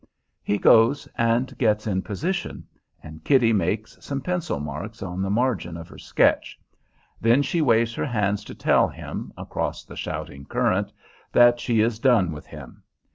He goes, and gets in position, and Kitty makes some pencil marks on the margin of her sketch. Then she waves her hands to tell him, across the shouting current, that she is done with him.